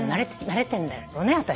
慣れてんだ。